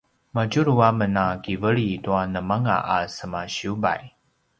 madjulu amen a kiveli tua nemanga a semasiyubay